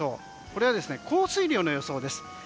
これは降水量の予想です。